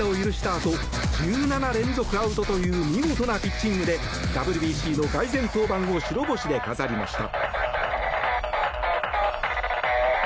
あと１７連続アウトという見事なピッチングでＷＢＣの凱旋登板を白星で飾りました。